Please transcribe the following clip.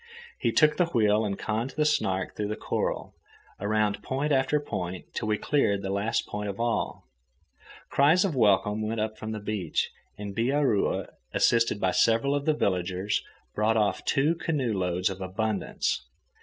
He took the wheel and conned the Snark through the coral, around point after point till we cleared the last point of all. Cries of welcome went up from the beach, and Bihaura, assisted by several of the villagers, brought off two canoe loads of abundance.